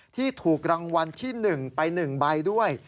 ที่ถูกรางวัลที่๑ไป๑ใบด้วย